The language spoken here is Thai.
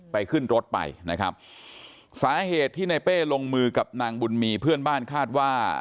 ขึ้นรถไปนะครับสาเหตุที่ในเป้ลงมือกับนางบุญมีเพื่อนบ้านคาดว่า